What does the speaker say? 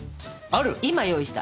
今用意した。